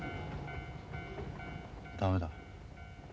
駄目だ。